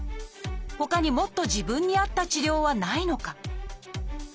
ほかにもっと自分に合った治療はないのか？」。